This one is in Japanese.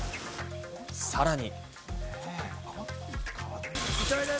さらに。